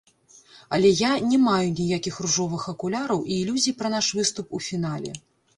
Але я не маю ніякіх ружовых акуляраў і ілюзій пра наш выступ у фінале.